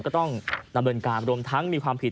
ก็ต้องดำเนินการ